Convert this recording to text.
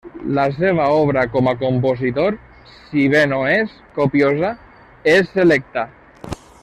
La seva obra com a compositor, si bé no és copiosa, és selecta.